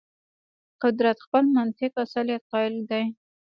قدرت خپل منطق اصالت قایل دی.